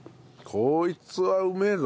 こいつはうめえぞ。